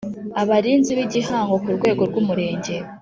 Abarinzi b igihango ku rwego rw umurenge